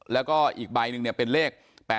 และอีกใบแบบนึงเนี่ยเป็นเลข๘๓๐๘๐๓